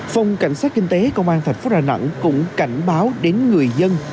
phòng cảnh sát kinh tế công an thạch phúc hà nẵng cũng cảnh báo đến người dân